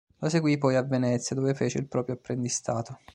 Lo seguì poi a Venezia dove fece il proprio apprendistato.